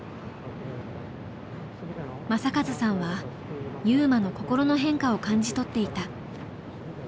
正和さんは優真の心の変化を感じ取っていた。